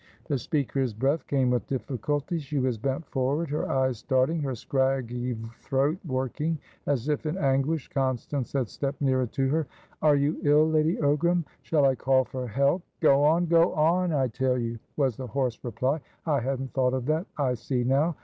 The speaker's breath came with difficulty. She was bent forward, her eyes starting, her scraggy throat working as if in anguish. Constance had stepped nearer to her. "Are you ill, Lady Ogram? Shall I call for help?" "Go on! Go on, I tell you!" was the hoarse reply. "I hadn't thought of that. I see, now.